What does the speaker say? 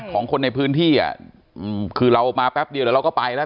ของคนในพื้นที่อ่ะคือเรามาแป๊บเดียวเดี๋ยวเราก็ไปแล้ว